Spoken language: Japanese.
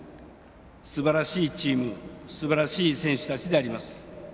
すばらしいチームすばらしい選手たちであります。